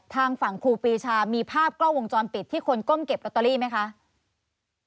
ทางฝั่งครูปีชามีภาพกล้องวงจรปิดที่คนก้มเก็บลอตเตอรี่ไหมคะ